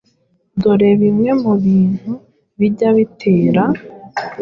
Dore bimwe mu bintu bijya bitera